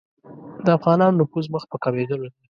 د افغانانو نفوذ مخ په کمېدلو دی.